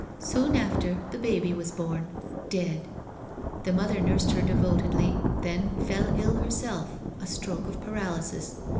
Soon after the baby was born — dead — the mother nursed her devotedly, then fell ill herself— a stroke of paralysis.